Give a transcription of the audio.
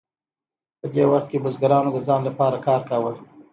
په دې وخت کې بزګرانو د ځان لپاره کار کاوه.